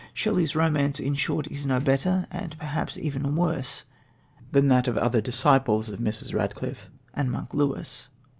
Shelley's romance, in short, is no better and perhaps even worse than that of the other disciples of Mrs. Radcliffe and "Monk" Lewis.